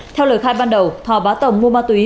theo lời khai ban đầu thò bá tồng mua ma túy